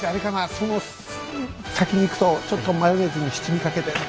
その先にいくとちょっとマヨネーズに七味かけて。